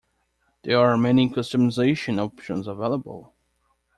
There are many customization options available.